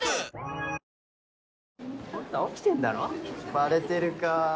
バレてるかぁ。